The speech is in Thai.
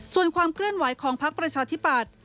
ส่วนความเคลื่อนไหวของพักประชาธิปัตย์